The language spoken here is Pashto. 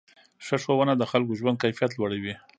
ښه ښوونه د خلکو ژوند کیفیت لوړوي.